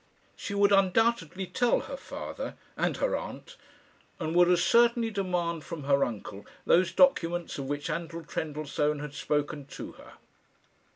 She would undoubtedly tell her father and her aunt; and would as certainly demand from her uncle those documents of which Anton Trendellsohn had spoken to her.